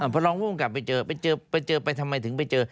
พอร้องผู้มันกลับไปเจอไปเจอไปเจอไปทำไมถึงไปเจอ